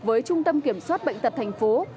với trung tâm kiểm soát bệnh tật thành phố